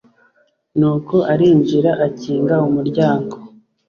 Nuko arinjira akinga umuryango